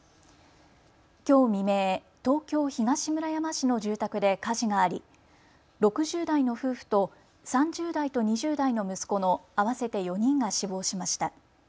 きょう未明、東京東村山市の住宅で火事があり６０代の夫婦と３０代と２０代の息子の合わせて４人が死亡しました。